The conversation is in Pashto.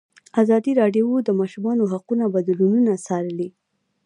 ازادي راډیو د د ماشومانو حقونه بدلونونه څارلي.